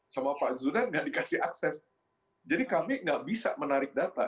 sama pak zunan gak dikasih akses jadi kami nggak bisa menarik data